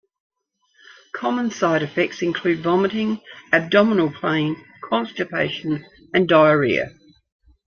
Common side effects include vomiting, abdominal pain, constipation, and diarrhea.